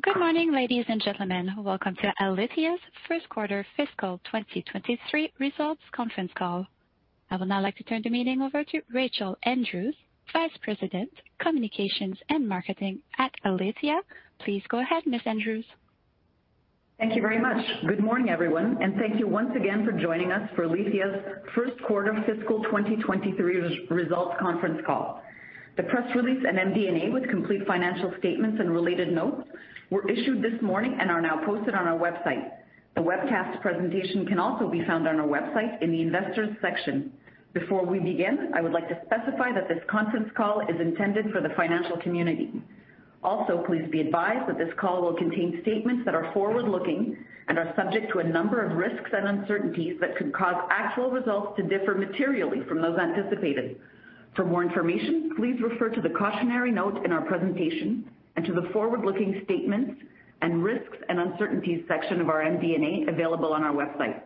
Good morning, ladies and gentlemen. Welcome to Alithya's Q1 FY2023 results conference call. I would now like to turn the meeting over to Rachel Andrews, Vice President of Communications and Marketing at Alithya. Please go ahead, Ms. Andrews. Thank you very much. Good morning, everyone, and thank you once again for joining us for Alithya's Q1 FY2023 results conference call. The press release and MD&A with complete financial statements and related notes were issued this morning and are now posted on our website. The webcast presentation can also be found on our website in the Investors section. Before we begin, I would like to specify that this conference call is intended for the financial community. Also, please be advised that this call will contain statements that are forward-looking and are subject to a number of risks and uncertainties that could cause actual results to differ materially from those anticipated. For more information, please refer to the cautionary note in our presentation and to the forward-looking statements and risks and uncertainties section of our MD&A available on our website.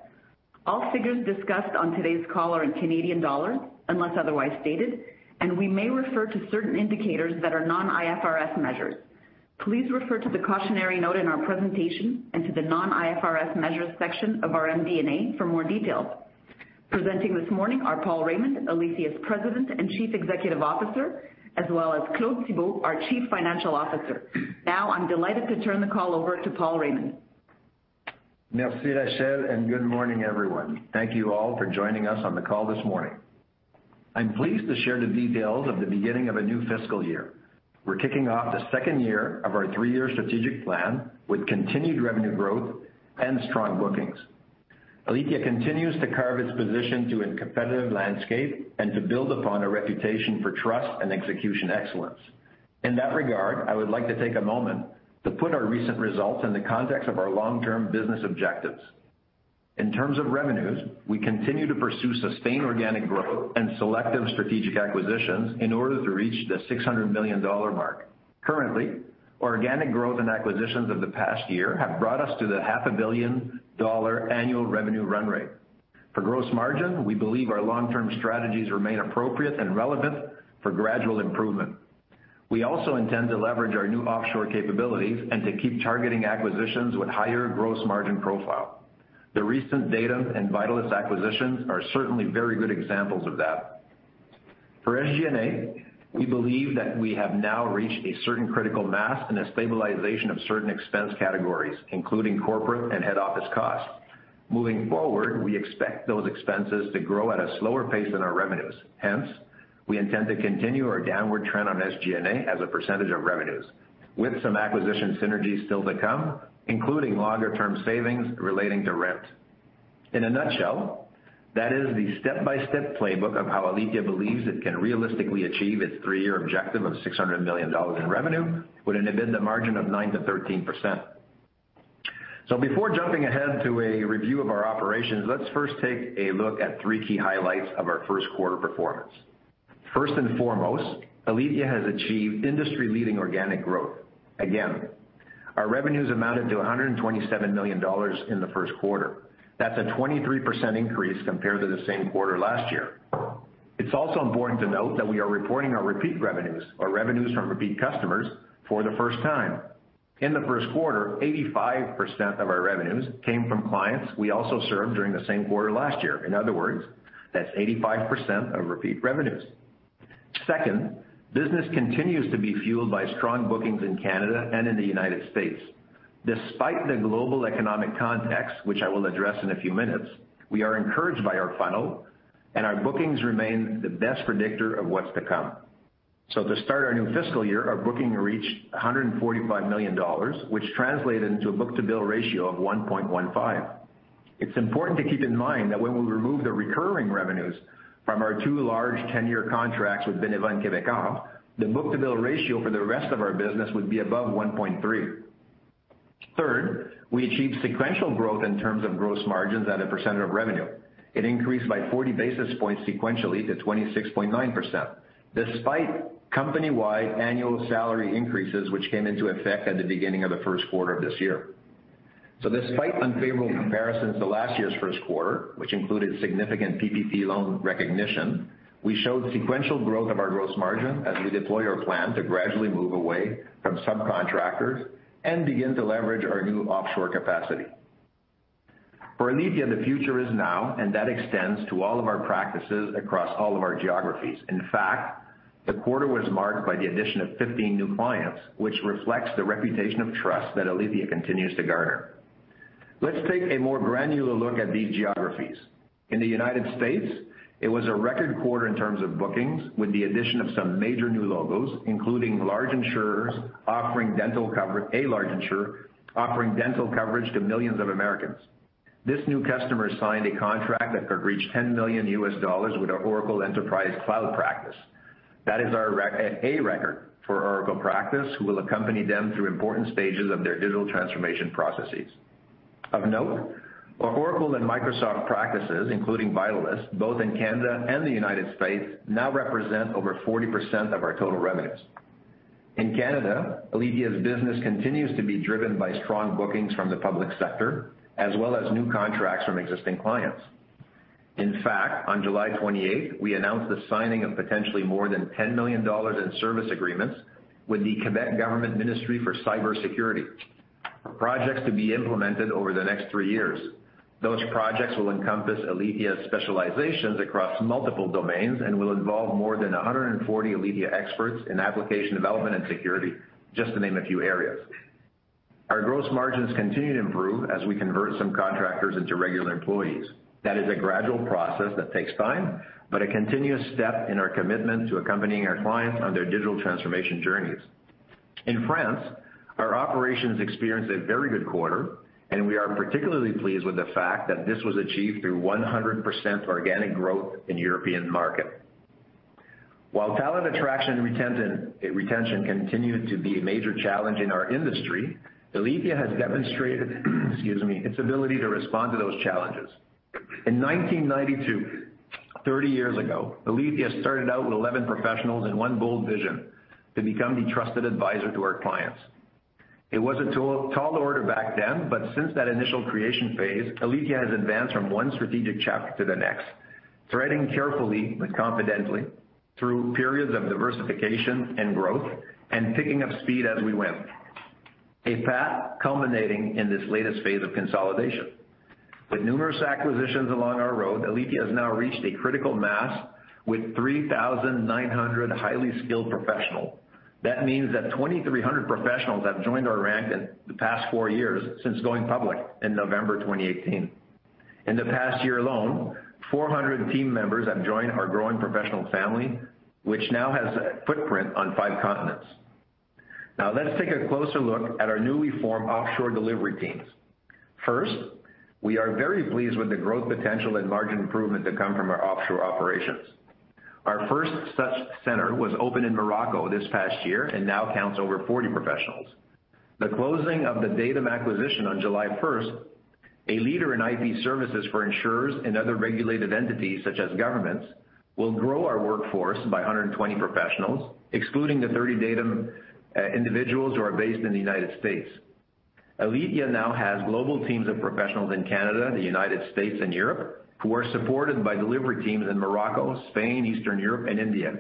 All figures discussed on today's call are in Canadian dollars unless otherwise stated, and we may refer to certain indicators that are non-IFRS measures. Please refer to the cautionary note in our presentation and to the non-IFRS measures section of our MD&A for more details. Presenting this morning are Paul Raymond, Alithya's President and Chief Executive Officer, as well as Claude Thibault, our Chief Financial Officer. Now I'm delighted to turn the call over to Paul Raymond. Merci, Rachel, and good morning, everyone. Thank you all for joining us on the call this morning. I'm pleased to share the details of the beginning of a new FY year. We're kicking off the second year of our three-year strategic plan with continued revenue growth and strong bookings. Alithya continues to carve its position in a competitive landscape and to build upon a reputation for trust and execution excellence. In that regard, I would like to take a moment to put our recent results in the context of our long-term business objectives. In terms of revenues, we continue to pursue sustained organic growth and selective strategic acquisitions in order to reach the 600 million dollar mark. Currently, organic growth and acquisitions of the past year have brought us to the 500 million dollar annual revenue run rate. For gross margin, we believe our long-term strategies remain appropriate and relevant for gradual improvement. We also intend to leverage our new offshore capabilities and to keep targeting acquisitions with higher gross margin profile. The recent Datum and Vitalyst acquisitions are certainly very good examples of that. For SG&A, we believe that we have now reached a certain critical mass and a stabilization of certain expense categories, including corporate and head office costs. Moving forward, we expect those expenses to grow at a slower pace than our revenues. Hence, we intend to continue our downward trend on SG&A as a percentage of revenues, with some acquisition synergies still to come, including longer-term savings relating to rent. In a nutshell, that is the step-by-step playbook of how Alithya believes it can realistically achieve its three-year objective of 600 million dollars in revenue with an EBITDA margin of 9%-13%. Before jumping ahead to a review of our operations, let's first take a look at three key highlights of our Q1 performance. First and foremost, Alithya has achieved industry-leading organic growth. Again, our revenues amounted to 127 million dollars in the Q1. That's a 23% increase compared to the same quarter last year. It's also important to note that we are reporting our repeat revenues or revenues from repeat customers for the first time. In the Q1, 85% of our revenues came from clients we also served during the same quarter last year. In other words, that's 85% of repeat revenues. Second, business continues to be fueled by strong bookings in Canada and in the United States. Despite the global economic context, which I will address in a few minutes, we are encouraged by our funnel, and our bookings remain the best predictor of what's to come. To start our new FY year, our booking reached 145 million dollars, which translated into a book-to-bill ratio of 1.15. It's important to keep in mind that when we remove the recurring revenues from our two large ten-year contracts with Beneva and Québecor, the book-to-bill ratio for the rest of our business would be above 1.3. Third, we achieved sequential growth in terms of gross margins at a % of revenue. It increased by 40 basis points sequentially to 26.9%, despite company-wide annual salary increases which came into effect at the beginning of the Q1 of this year. Despite unfavorable comparisons to last year's Q1, which included significant PPP loan recognition, we showed sequential growth of our gross margin as we deploy our plan to gradually move away from subcontractors and begin to leverage our new offshore capacity. For Alithya, the future is now, and that extends to all of our practices across all of our geographies. In fact, the quarter was marked by the addition of 15 new clients, which reflects the reputation of trust that Alithya continues to garner. Let's take a more granular look at these geographies. In the United States, it was a record quarter in terms of bookings, with the addition of some major new logos. A large insurer offering dental coverage to millions of Americans. This new customer signed a contract that could reach $10 million with our Oracle Enterprise Cloud practice. That is a record for Oracle practice, who will accompany them through important stages of their digital transformation processes. Of note, our Oracle and Microsoft practices, including Vitalyst, both in Canada and the United States, now represent over 40% of our total revenues. In Canada, Alithya's business continues to be driven by strong bookings from the public sector as well as new contracts from existing clients. In fact, on July 28, we announced the signing of potentially more than 10 million dollars in service agreements with the Ministère de la Cybersécurité et du Numérique. Projects to be implemented over the next three years. Those projects will encompass Alithya's specializations across multiple domains and will involve more than 140 Alithya experts in application development and security, just to name a few areas. Our gross margins continue to improve as we convert some contractors into regular employees. That is a gradual process that takes time, but a continuous step in our commitment to accompanying our clients on their digital transformation journeys. In France, our operations experienced a very good quarter, and we are particularly pleased with the fact that this was achieved through 100% organic growth in European market. While talent attraction retention continued to be a major challenge in our industry, Alithya has demonstrated, excuse me, its ability to respond to those challenges. In 1992, 30 years ago, Alithya started out with 11 professionals and one bold vision: to become the trusted advisor to our clients. It was a tall order back then, but since that initial creation phase, Alithya has advanced from one strategic chapter to the next, threading carefully but confidently through periods of diversification and growth and picking up speed as we went. A path culminating in this latest phase of consolidation. With numerous acquisitions along our road, Alithya has now reached a critical mass with 3,900 highly skilled professionals. That means that 2,300 professionals have joined our rank in the past four years since going public in November 2018. In the past year alone, 400 team members have joined our growing professional family, which now has a footprint on five continents. Now let's take a closer look at our newly formed offshore delivery teams. First, we are very pleased with the growth potential and margin improvement that come from our offshore operations. Our first such center was opened in Morocco this past year and now counts over 40 professionals. The closing of the Datum acquisition on July 1, a leader in IT services for insurers and other regulated entities such as governments, will grow our workforce by 120 professionals, excluding the 30 Datum individuals who are based in the United States. Alithya now has global teams of professionals in Canada, the United States, and Europe, who are supported by delivery teams in Morocco, Spain, Eastern Europe, and India.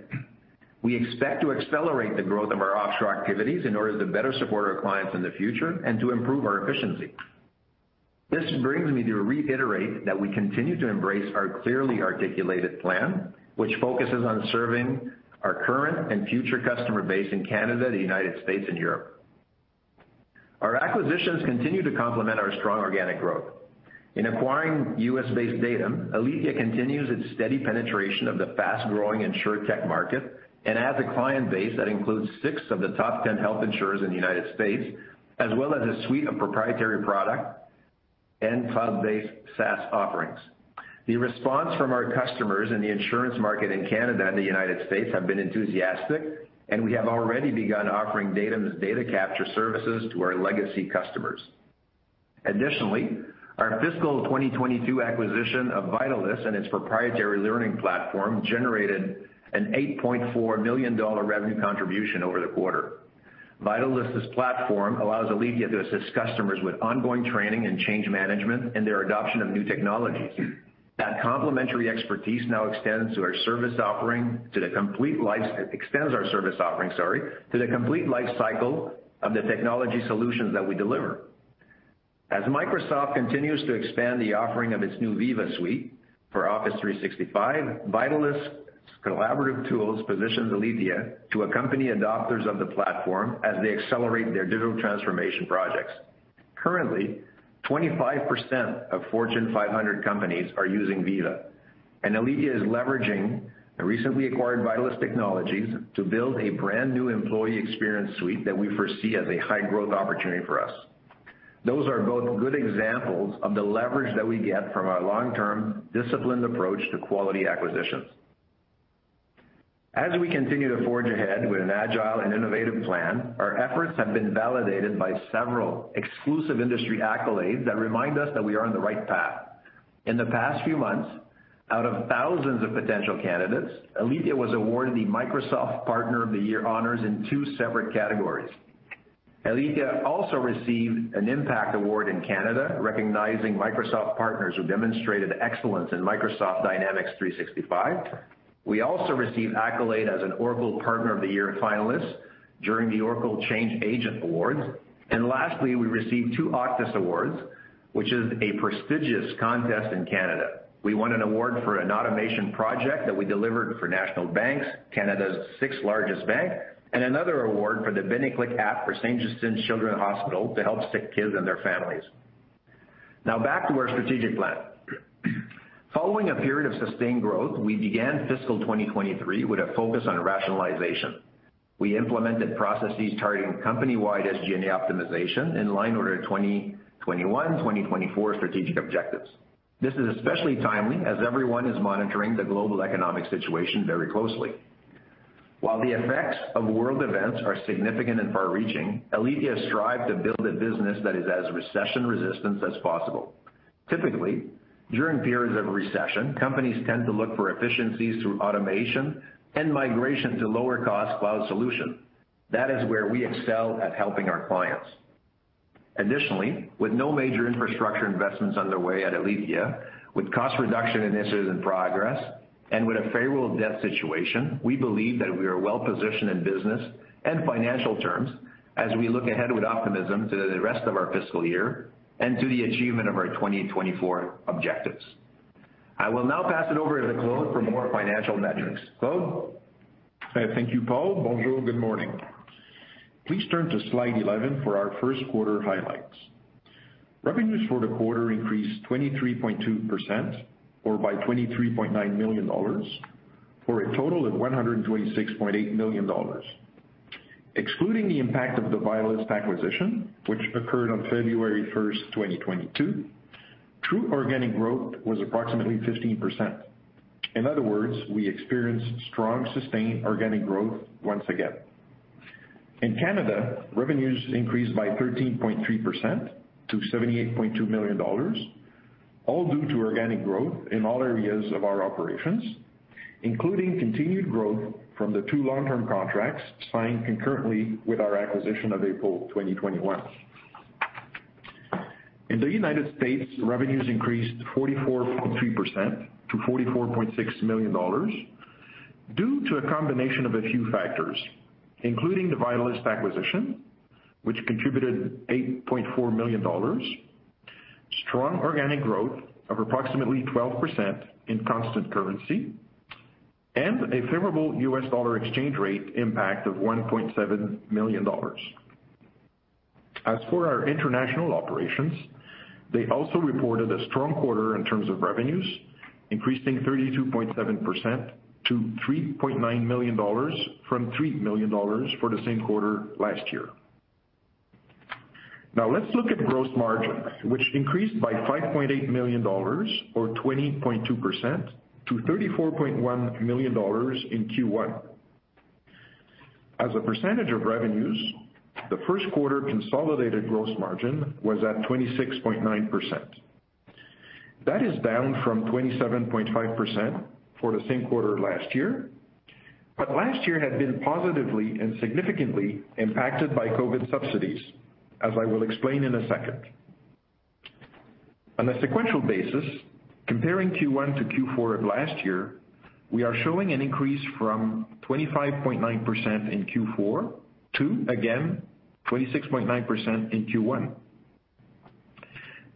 We expect to accelerate the growth of our offshore activities in order to better support our clients in the future and to improve our efficiency. This brings me to reiterate that we continue to embrace our clearly articulated plan, which focuses on serving our current and future customer base in Canada, the U.S., and Europe. Our acquisitions continue to complement our strong organic growth. In acquiring U.S.-based Datum, Alithya continues its steady penetration of the fast-growing Insurtech market and adds a client base that includes six of the top 10 health insurers in the United States, as well as a suite of proprietary product and cloud-based SaaS offerings. The response from our customers in the insurance market in Canada and the United States have been enthusiastic, and we have already begun offering Datum's data capture services to our legacy customers. Additionally, our FY2022 acquisition of Vitalyst and its proprietary learning platform generated a 8.4 million dollar revenue contribution over the quarter. Vitalyst's platform allows Alithya to assist customers with ongoing training and change management in their adoption of new technologies. That complementary expertise now extends to our service offering to the complete life cycle of the technology solutions that we deliver. As Microsoft continues to expand the offering of its new Viva suite for Office 365, Vitalyst's collaborative tools positions Alithya to accompany adopters of the platform as they accelerate their digital transformation projects. Currently, 25% of Fortune 500 companies are using Viva. Alithya is leveraging the recently acquired Vitalyst technologies to build a brand-new employee experience suite that we foresee as a high-growth opportunity for us. Those are both good examples of the leverage that we get from our long-term, disciplined approach to quality acquisitions. As we continue to forge ahead with an agile and innovative plan, our efforts have been validated by several exclusive industry accolades that remind us that we are on the right path. In the past few months, out of thousands of potential candidates, Alithya was awarded the Microsoft Partner of the Year honors in two separate categories. Alithya also received an Impact Award in Canada, recognizing Microsoft partners who demonstrated excellence in Microsoft Dynamics 365. We also received accolade as an Oracle Partner of the Year finalist during the Oracle Change Agent Awards. Lastly, we received two OCTAS Awards, which is a prestigious contest in Canada. We won an award for an automation project that we delivered for National Bank of Canada's sixth-largest bank, and another award for the BénéClic app for Sainte-Justine Children's Hospital to help sick kids and their families. Now back to our strategic plan. Following a period of sustained growth, we began FY2023 with a focus on rationalization. We implemented processes targeting company-wide SG&A optimization in line with our 2021-2024 strategic objectives. This is especially timely as everyone is monitoring the global economic situation very closely. While the effects of world events are significant and far-reaching, Alithya strive to build a business that is as recession-resistant as possible. Typically, during periods of recession, companies tend to look for efficiencies through automation and migration to lower-cost cloud solution. That is where we excel at helping our clients. Additionally, with no major infrastructure investments on the way at Alithya, with cost reduction initiatives in progress, and with a favorable debt situation, we believe that we are well-positioned in business and financial terms as we look ahead with optimism to the rest of our FY year and to the achievement of our 2024 objectives. I will now pass it over to Claude for more financial metrics. Claude? Thank you, Paul. Bonjour. Good morning. Please turn to Slide 11 for our Q1 highlights. Revenues for the quarter increased 23.2% or by 23.9 million dollars, for a total of 126.8 million dollars. Excluding the impact of the Vitalyst acquisition, which occurred on February 1, 2022, true organic growth was approximately 15%. In other words, we experienced strong, sustained organic growth once again. In Canada, revenues increased by 13.3% to 78.2 million dollars, all due to organic growth in all areas of our operations, including continued growth from the two long-term contracts signed concurrently with our acquisition in April 2021. In the United States, revenues increased 44.3% to 44.6 million dollars due to a combination of a few factors, including the Vitalyst acquisition, which contributed 8.4 million dollars, strong organic growth of approximately 12% in constant currency, and a favorable U.S. dollar exchange rate impact of 1.7 million dollars. Our international operations reported a strong quarter in terms of revenues, increasing 32.7% to 3.9 million dollars from 3 million dollars for the same quarter last year. Now let's look at gross margins, which increased by 5.8 million dollars or 20.2% to 34.1 million dollars in Q1. As a percentage of revenues, the Q1 consolidated gross margin was at 26.9%. That is down from 27.5% for the same quarter last year. Last year had been positively and significantly impacted by COVID-19 subsidies, as I will explain in a second. On a sequential basis, comparing Q1 to Q4 of last year, we are showing an increase from 25.9% in Q4 to, again, 26.9% in Q1.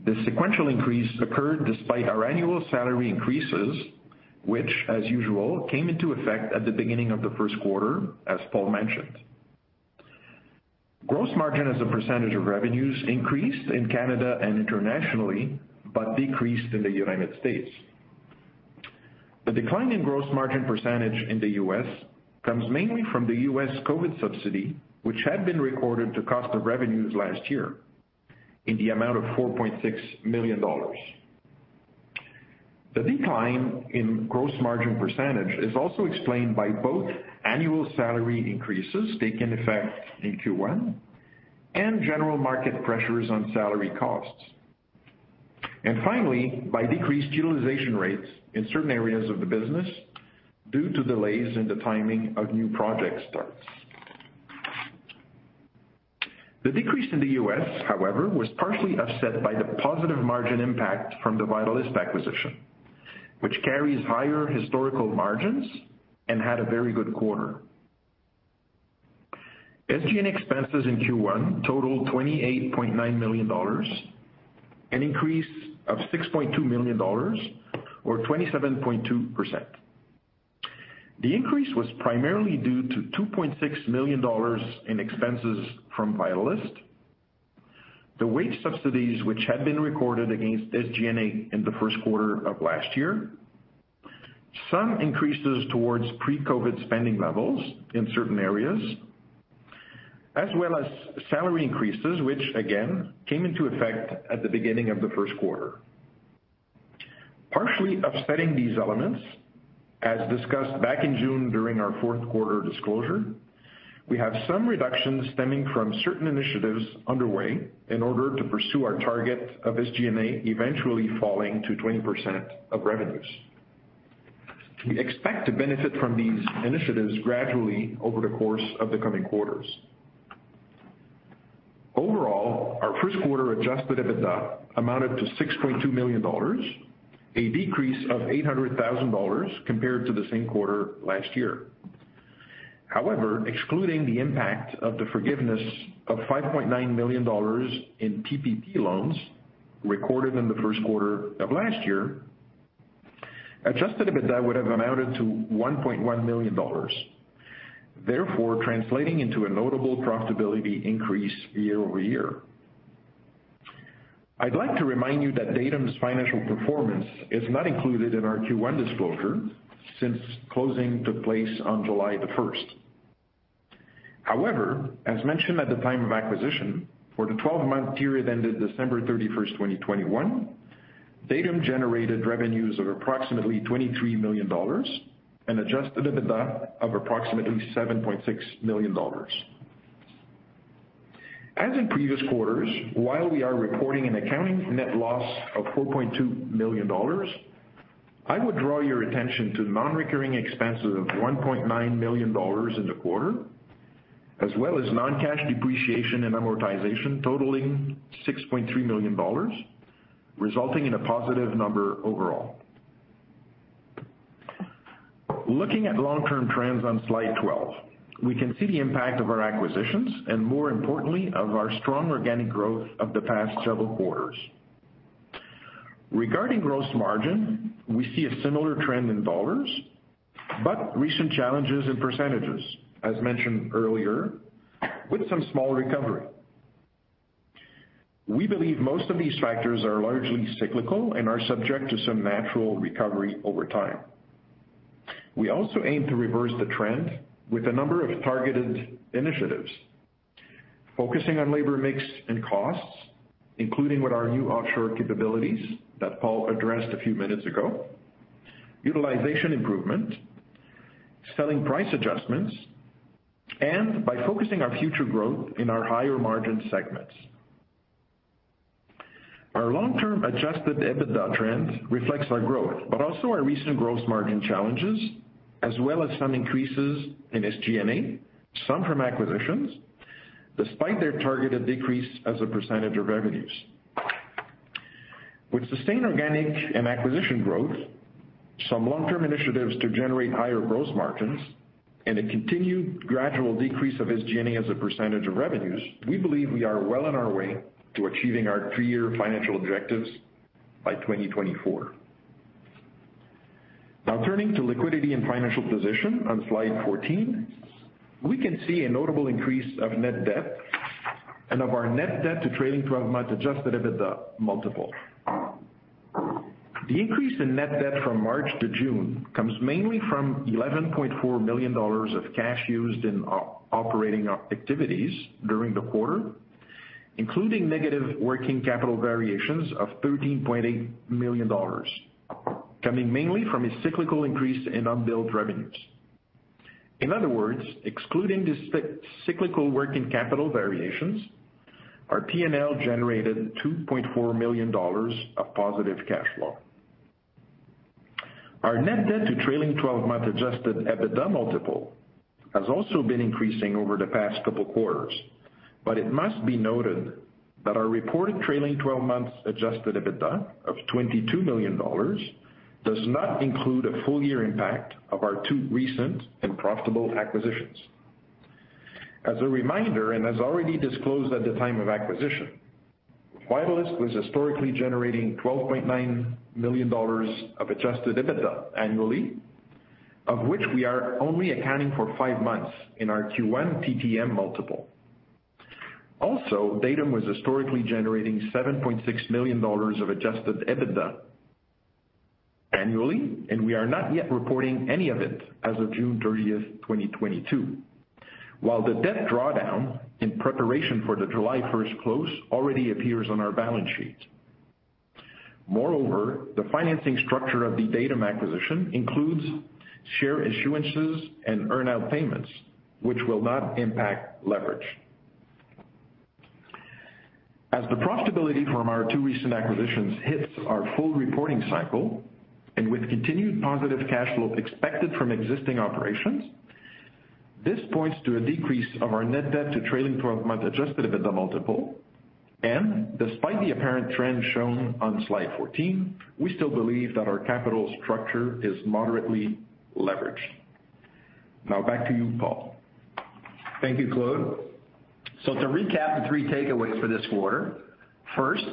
The sequential increase occurred despite our annual salary increases, which, as usual, came into effect at the beginning of the Q1, as Paul mentioned. Gross margin as a percentage of revenues increased in Canada and internationally, but decreased in the United States. The decline in gross margin percentage in the U.S. comes mainly from the U.S. COVID-19 subsidy, which had been recorded to cost of revenues last year in the amount of $4.6 million. The decline in gross margin percentage is also explained by both annual salary increases taking effect in Q1 and general market pressures on salary costs, and finally, by decreased utilization rates in certain areas of the business due to delays in the timing of new project starts. The decrease in the U.S., however, was partially offset by the positive margin impact from the Vitalyst acquisition, which carries higher historical margins and had a very good quarter. SG&A expenses in Q1 totaled 28.9 million dollars, an increase of 6.2 million dollars or 27.2%. The increase was primarily due to 2.6 million dollars in expenses related to Vitalyst, the wage subsidies that had been recorded against SG&A in the Q1 of last year, some increases towards pre-COVID-19 spending levels in certain areas, as well as salary increases, which again came into effect at the beginning of the Q1. Partially offsetting these elements, as discussed back in June during our Q4 disclosure, we have some reductions stemming from certain initiatives underway in order to pursue our target of SG&A eventually falling to 20% of revenues. We expect to benefit from these initiatives gradually over the course of the coming quarters. Overall, our Q1 adjusted EBITDA totaled 6.2 million dollars, a decrease of 800,000 dollars compared to the same quarter last year. However, excluding the impact of the forgiveness of 5.9 million dollars in PPP loans recorded in the Q1 of last year, adjusted EBITDA would have amounted to 1.1 million dollars, therefore translating into a notable profitability increase year-over-year. I'd like to remind you that Datum's financial performance was not included in our Q1 disclosure since closing took place on July 1. However, as mentioned at the time of acquisition, for the 12-month period ended December 31, 2021, Datum generated revenues of approximately 23 million dollars and adjusted EBITDA of approximately 7.6 million dollars. As in previous quarters, while we are reporting an accounting net loss of 4.2 million dollars. I would draw your attention to non-recurring expenses of 1.9 million dollars in the quarter, as well as non-cash depreciation and amortization totaling 6.3 million dollars, resulting in a positive number overall. Looking at long-term trends on Slide 12, we can see the impact of our acquisitions and more importantly of our strong organic growth of the past several quarters. Regarding gross margin, we see a similar trend in dollars, but recent challenges in percentages, as mentioned earlier, with some small recovery. We believe most of these factors are largely cyclical and are subject to some natural recovery over time. We also aim to reverse the trend with a number of targeted initiatives focusing on labor mix and costs, including our new offshore capabilities that Paul addressed a few minutes ago, improvement in utilization, selling price adjustments, and a focus on future growth in higher-margin segments. Our long-term adjusted EBITDA trend reflects our growth, but also our recent gross margin challenges, as well as some increases in SG&A, some from acquisitions, despite their targeted decrease as a percentage of revenues. With sustained organic and acquisition growth, some long-term initiatives to generate higher gross margins and a continued gradual decrease of SG&A as a percentage of revenues, we believe we are well on our way to achieving our three-year financial objectives by 2024. Now turning to liquidity and financial position on Slide 14. We can see a notable increase of net debt and of our net debt to trailing twelve-month adjusted EBITDA multiple. The increase in net debt from March to June comes mainly from 11.4 million dollars of cash used in operating activities during the quarter, including negative working capital variations of 13.8 million dollars, coming mainly from a cyclical increase in unbilled revenues. In other words, excluding the cyclical working capital variations, our P&L generated 2.4 million dollars of positive cash flow. Our net debt to trailing twelve-month adjusted EBITDA multiple has also been increasing over the past couple quarters. It must be noted that our reported trailing twelve months adjusted EBITDA of 22 million dollars does not include a full-year impact of our two recent and profitable acquisitions. As a reminder, and as already disclosed at the time of acquisition, Vitalyst was historically generating 12.9 million dollars of adjusted EBITDA annually, of which we are only accounting for five months in our Q1 TTM multiple. Also, Datum was historically generating 7.6 million dollars of adjusted EBITDA annually, and we are not yet reporting any of it as of June 30, 2022. While the debt drawdown in preparation for the July 1 close already appears on our balance sheet. Moreover, the financing structure of the Datum acquisition includes share issuances and earn-out payments, which will not impact leverage. As the profitability from our two recent acquisitions hits our full reporting cycle and with continued positive cash flow expected from existing operations, this points to a decrease of our net debt to trailing twelve-month adjusted EBITDA multiple. Despite the apparent trend shown on Slide 14, we still believe that our capital structure is moderately leveraged. Now back to you, Paul. Thank you, Claude. To recap the three takeaways for this quarter. First,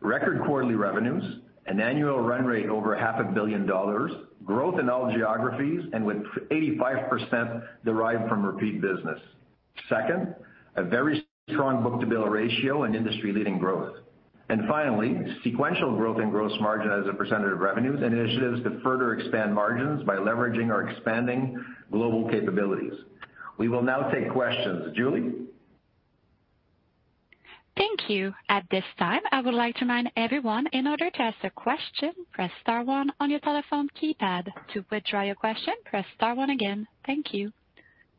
record quarterly revenues, an annual run rate over half a billion CAD, growth in all geographies and with 85% derived from repeat business. Second, a very strong book-to-bill ratio and industry-leading growth. Finally, sequential growth in gross margin as a percentage of revenues and initiatives to further expand margins by leveraging our expanding global capabilities. We will now take questions. Julie? Thank you. At this time, I would like to remind everyone, in order to ask a question, press star one on your telephone keypad. To withdraw your question, press star one again. Thank you.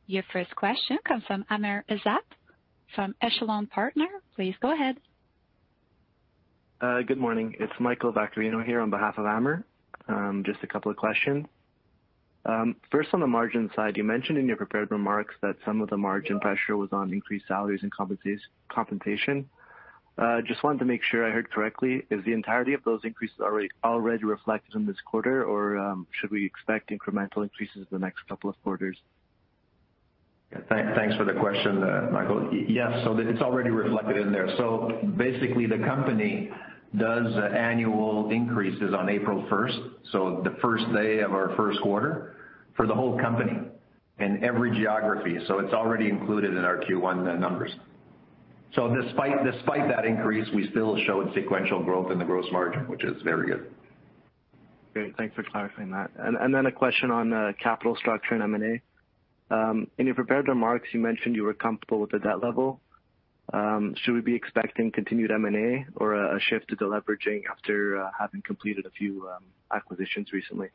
Your first question comes from Amr Ezzat from Echelon Wealth Partners. Please go ahead. Good morning. It's Michael Vaccarino here on behalf of Amr. Just a couple of questions. First on the margin side, you mentioned in your prepared remarks that some of the margin pressure was on increased salaries and compensation. Just wanted to make sure I heard correctly. Is the entirety of those increases already reflected in this quarter? Or should we expect incremental increases in the next couple of quarters? Thanks for the question, Michael. Yes. It's already reflected in there. Basically the company does annual increases on April first, so the first day of our Q1 for the whole company in every geography. It's already included in our Q1 numbers. Despite that increase, we still showed sequential growth in the gross margin, which is very good. Great. Thanks for clarifying that. A question on capital structure and M&A. In your prepared remarks you mentioned you were comfortable with the debt level. Should we be expecting continued M&A or a shift to deleveraging after having completed a few acquisitions recently?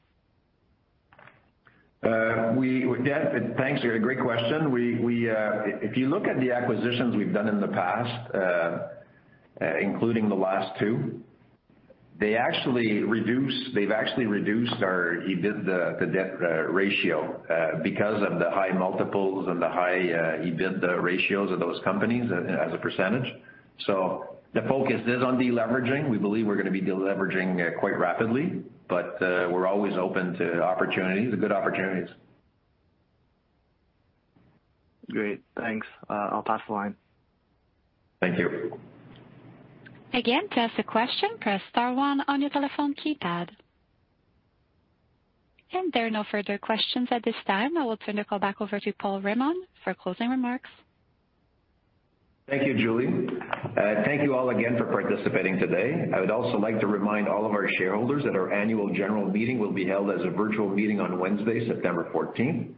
Yeah, thanks. Great question. We if you look at the acquisitions we've done in the past, including the last two, they've actually reduced our EBITDA to debt ratio because of the high multiples and the high EBITDA ratios of those companies as a percentage. So the focus is on deleveraging. We believe we're gonna be deleveraging quite rapidly, but we're always open to opportunities, good opportunities. Great. Thanks. I'll pass the line. Thank you. Again, to ask a question, press star one on your telephone keypad. There are no further questions at this time. I will turn the call back over to Paul Raymond for closing remarks. Thank you, Julie. Thank you all again for participating today. I would also like to remind all of our shareholders that our annual general meeting will be held as a virtual meeting on Wednesday, September 14.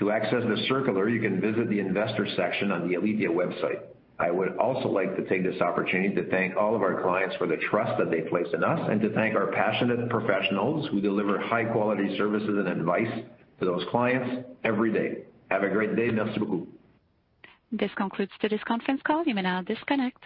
To access the circular, you can visit the investor section on the Alithya website. I would also like to take this opportunity to thank all of our clients for the trust that they place in us and to thank our passionate professionals who deliver high quality services and advice to those clients every day. Have a great day. This concludes today's conference call. You may now disconnect.